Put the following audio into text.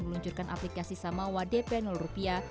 meluncurkan aplikasi samawa dp rupiah